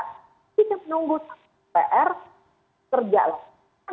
kita menunggu pr kerja lah